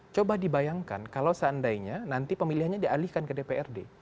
coba dibayangkan kalau seandainya nanti pemilihannya dialihkan ke dprd